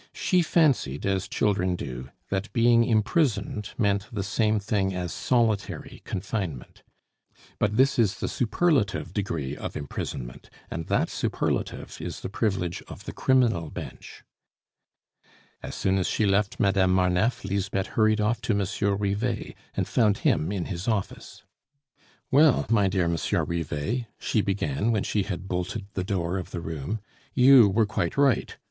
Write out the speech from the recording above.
She fancied, as children do, that being imprisoned meant the same thing as solitary confinement. But this is the superlative degree of imprisonment, and that superlative is the privilege of the Criminal Bench. As soon as she left Madame Marneffe, Lisbeth hurried off to Monsieur Rivet, and found him in his office. "Well, my dear Monsieur Rivet," she began, when she had bolted the door of the room. "You were quite right.